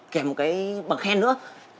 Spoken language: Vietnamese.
kèm một cái bằng khen nữa